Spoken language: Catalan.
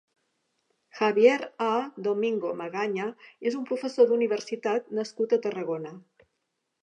Javier Á Domingo Magaña és un professor d'universitat nascut a Tarragona.